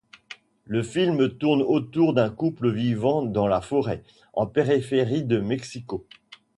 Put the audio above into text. Le film tourne autour d'un couple vivant dans la forêt, en périphérie de Mexico.